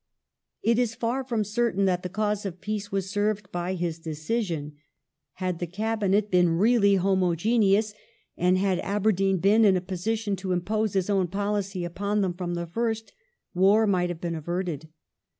Lord It is far from certain that the cause of peace was served by his Aberdeen decision. Had the Cabinet been really homogeneous, and had Aberdeen been in a position to impose his own policy upon them from the fii*st, war might have been averted.